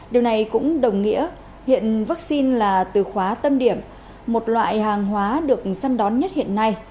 điều này cũng đồng nghĩa hiện vaccine là từ khóa tâm điểm một loại hàng hóa được săn đón nhất hiện nay